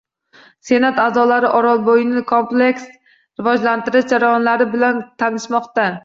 Senat a’zolari orolbo‘yini kompleks rivojlantirish jarayonlari bilan tanishmoqda